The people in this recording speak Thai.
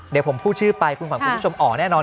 เดี๋ยวผมพูดชื่อไปคุณขวัญคุณผู้ชมอ๋อแน่นอน